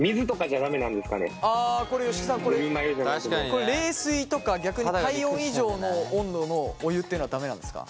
これ冷水とか逆に体温以上の温度のお湯っていうのは駄目なんですか？